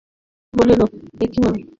বলিল, এ কী হল?